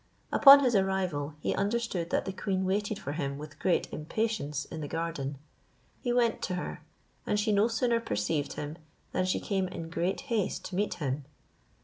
Upon his arrival, he understood that the queen waited for him with great impatience in the garden. He went to her, and she no sooner perceived him, than she came in great haste to meet him.